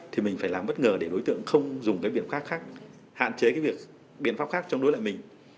thì mình phải làm bất ngờ để đối tượng không dùng cái biện pháp khác hạn chế cái biện pháp khác chống đối lại mình